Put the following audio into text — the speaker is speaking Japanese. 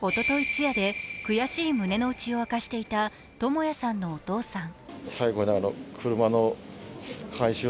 通夜で悔しい胸のうちを明かしていた智也さんのお父さん。